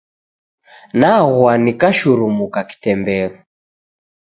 Nabwa nikashurumuka kitemberu.